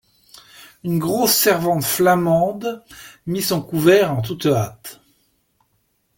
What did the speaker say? Une grosse servante flamande mit son couvert en toute hâte.